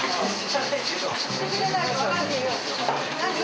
言ってくれないと分かんねーよ。